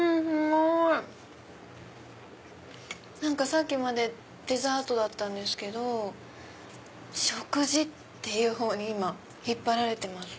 さっきまでデザートだったんですけど食事のほうに引っ張られてます。